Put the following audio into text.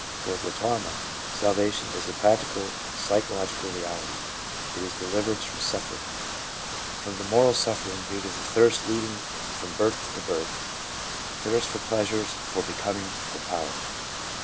For Gautama salvation is a practical psy chological reality : it is deliverance from suffering; from the moral suffering due to the thirst leading from birth to birth ; thirst for pleasures, for becoming, for power.